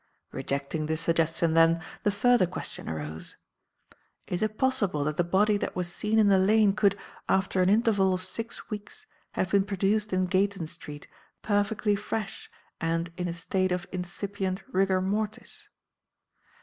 "Rejecting this suggestion, then, the further question arose. Is it possible that the body that was seen in the lane could, after an interval of six weeks, have been produced in Gayton Street, perfectly fresh and in a state of incipient rigor mortis?